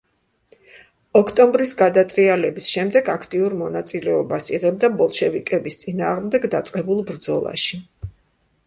ოქტომბრის გადატრიალების შემდეგ აქტიურ მონაწილეობას იღებდა ბოლშევიკების წინააღმდეგ დაწყებულ ბრძოლაში.